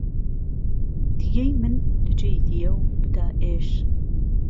دییەی من لە جێی دییەو بدا ئێش